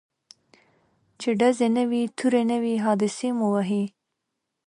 چي ډزي نه وي توری نه وي حادثې مو وهي